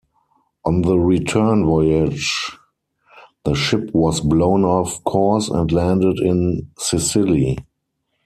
On the return voyage the ship was blown off course and landed in Sicily.